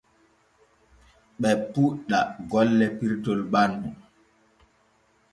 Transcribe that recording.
Ɓe puuɗɗa golle pirtol ɓannu.